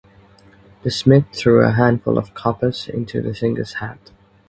The smith threw a handful of coppers into the singer's hat.